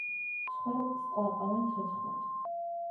მსხვერპლს ყლაპავენ ცოცხლად.